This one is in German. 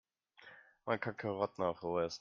Man kann Karotten auch roh essen.